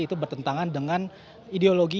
itu bertentangan dengan ideologi